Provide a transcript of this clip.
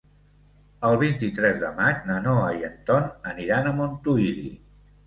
El vint-i-tres de maig na Noa i en Ton aniran a Montuïri.